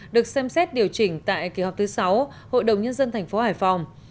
được xem xét điều chỉnh tại kỳ họp thứ sáu hội đồng nhân dân tp hải phòng